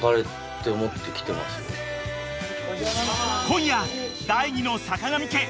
［今夜第２の坂上家］